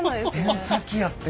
ペン先やって。